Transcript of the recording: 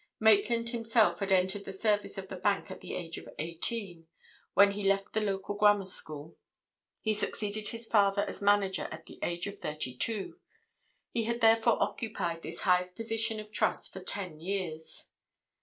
Maitland himself had entered the service of the bank at the age of eighteen, when he left the local Grammar School; he succeeded his father as manager at the age of thirty two; he had therefore occupied this highest position of trust for ten years.